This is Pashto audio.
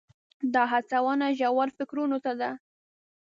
دا هڅونه ژورو فکرونو ته ده.